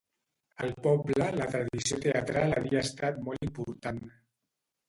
Al poble la tradició teatral havia estat molt important.